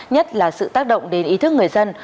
nhất là sự tác động đến ý thức người dân